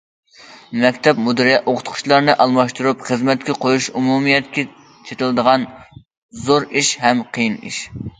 مەكتەپ مۇدىرى، ئوقۇتقۇچىلارنى ئالماشتۇرۇپ خىزمەتكە قويۇش ئومۇمىيەتكە چېتىلىدىغان زور ئىش ھەم قىيىن ئىش.